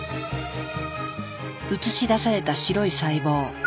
映し出された白い細胞。